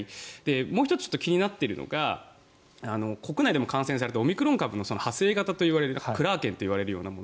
もう１つ気になっているのが国内でも感染されたオミクロン株の派生型と言われるクラーケンといわれるようなもの